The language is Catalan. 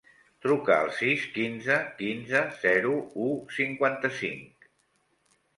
Truca al sis, quinze, quinze, zero, u, cinquanta-cinc.